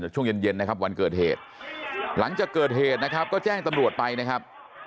ช่วงเย็นเย็นนะครับวันเกิดเหตุหลังจากเกิดเหตุนะครับก็แจ้งตำรวจไปนะครับ